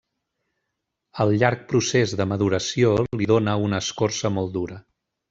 El llarg procés de maduració li dóna una escorça molt dura.